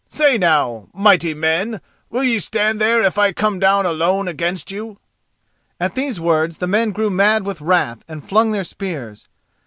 Say now, mighty men, will ye stand there if I come down alone against you?" At these words the men grew mad with wrath, and flung their spears.